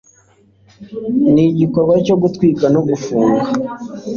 nigikorwa cyo gutwika no gufunga